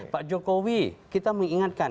pak jokowi kita mengingatkan